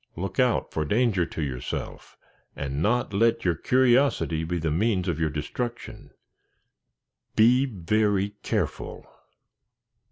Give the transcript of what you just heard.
Look out for danger to yourself, and not let your curiosity be the means of your destruction. _Be very careful.